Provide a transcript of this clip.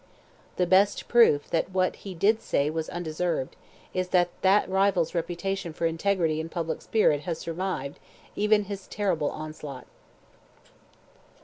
The best proof that what he did say was undeserved, is that that rival's reputation for integrity and public spirit has survived even his terrible onslaught.